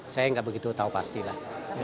saya nggak begitu tahu pasti lah